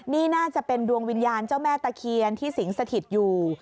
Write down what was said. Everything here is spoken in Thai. นี่น่าจะเป็นดวงวิญญาณเจ้าแม่ตะเคียนที่สิงสถิตอยู่